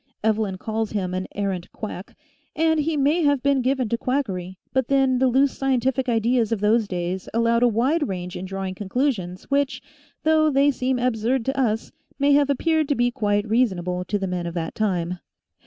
Evelyn calls him an " errant quack," and he may have been given to quackery, but then the loose scientific ideas of those days allowed a wide range in drawing conclusions which, though they seem absurd to us, may have appeared to be quite reasonable to the men of that time.